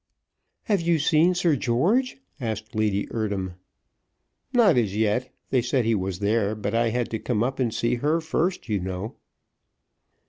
"Have you seen Sir George?" asked Lady Eardham. "Not as yet; they said he was there, but I had to come up and see her first, you know."